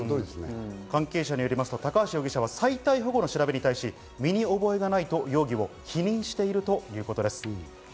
関係者によりますと、容疑者は再逮捕後の調べに対し身に覚えがないと容疑を否認しているということです。